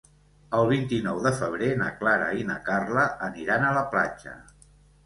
El vint-i-nou de febrer na Clara i na Carla aniran a la platja.